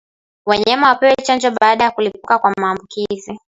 Wanyama wapewe chanjo baada ya kulipuka kwa maambukizi